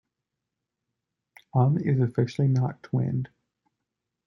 Ulm is officially not twinned.